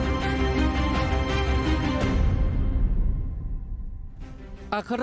นาฬิกาวงพิทักษ์โรศ